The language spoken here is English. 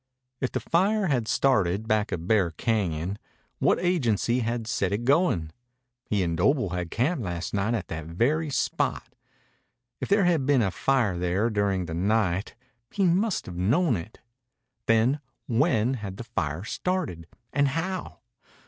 If the fire had started back of Bear Cañon, what agency had set it going? He and Doble had camped last night at that very spot. If there had been a fire there during the night he must have known it. Then when had the fire started? And how?